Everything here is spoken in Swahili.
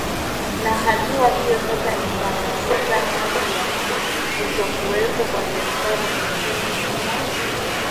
na hatua hiyo sasa itamaliza hali ya kutokuwepo kwa serikali nchini humo